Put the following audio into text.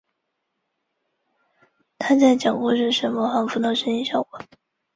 他在讲故事时模仿不同的声音效果。